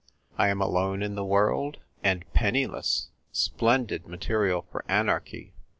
I am alone in the world, and penniless — splendid material for anarchy.